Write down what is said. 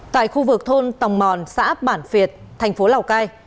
tại khu vực thôn tòng mòn xã bản việt thành phố lào cai